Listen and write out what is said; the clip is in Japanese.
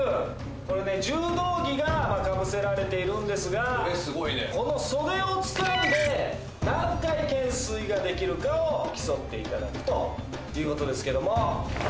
これね柔道着がかぶせられているんですがこの袖をつかんで何回懸垂ができるかを競っていただくということですけども。